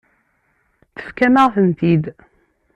Tefkam-aɣ-tent-id.